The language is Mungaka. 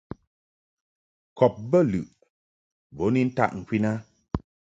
Kɔb bə lɨʼ bo ni ntaʼ ŋkwin a.